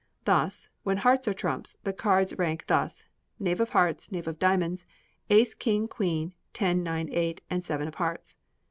Thus, when hearts are trumps, the cards rank thus: Knave of hearts, knave of diamonds, ace, king, queen, ten, nine, eight, and seven of hearts.